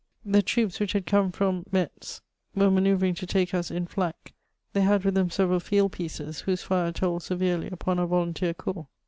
The troops. 854 MEiconts of which had oome firom Metz, were manoeuTring to take us in flank ; they had with them several field pieces, whose fire told severely upon our volunteer ooips.